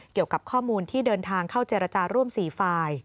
เกี่ยวกับข้อมูลที่เดินทางเข้าเจรจาร่วม๔ฝ่าย